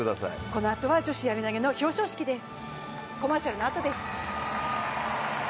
このあとは女子やり投の表彰式です。